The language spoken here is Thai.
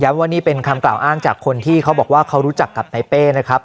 ว่านี่เป็นคำกล่าวอ้างจากคนที่เขาบอกว่าเขารู้จักกับนายเป้นะครับ